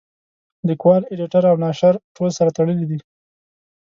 لیکوال اېډیټر او ناشر ټول سره تړلي دي.